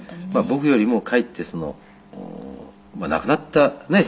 僕よりもかえって亡くなったねえ